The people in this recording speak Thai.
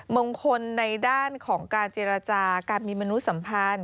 มงคลในด้านของการเจรจาการมีมนุษัมพันธ์